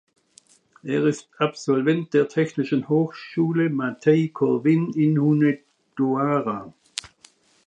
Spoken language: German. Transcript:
Er ist Absolvent der Technischen Hochschule „Matei Corvin“ in Hunedoara.